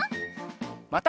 また。